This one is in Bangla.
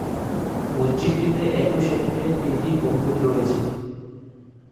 মসজিদটিতে একই সারিতে তিনটি গম্বুজ রয়েছে।